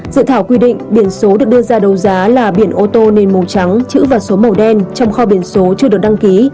dự thảo quy định biển số được đưa ra đấu giá là biển ô tô nền màu trắng chữ và số màu đen trong kho biển số chưa được đăng ký